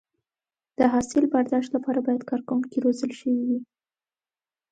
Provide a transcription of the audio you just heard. د حاصل برداشت لپاره باید کارکوونکي روزل شوي وي.